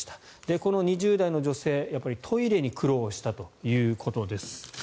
この２０代の女性、やはりトイレに苦労したということです。